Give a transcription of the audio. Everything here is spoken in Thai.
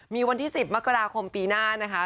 มีวันที่๑๐มกราคมปีหน้านะคะ